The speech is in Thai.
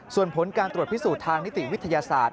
ส่วนผลการตรวจพิสูจน์ทางนิติวิทยาศาสตร์